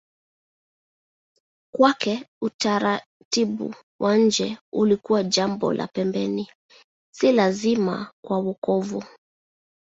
Kwake utaratibu wa nje ulikuwa jambo la pembeni, si lazima kwa wokovu.